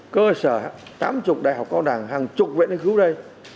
cơ sở tám mươi đại học cao đẳng hàng chục viện nghiên cứu đây